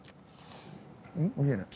見えない。